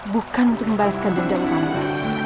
bukan untuk membalaskan dendam kamu